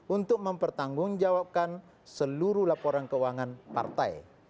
untuk mempertanggungjawabkan seluruh laporan keuangan partai